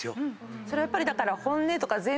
それはやっぱりだから。